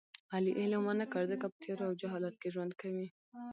علي علم و نه کړ ځکه په تیارو او جهالت کې ژوند کوي.